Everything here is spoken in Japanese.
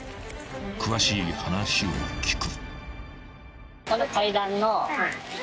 ［詳しい話を聞く］